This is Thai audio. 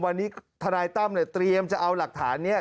วันนี้ทนายตั้มเนี่ยเตรียมจะเอาหลักฐานนี้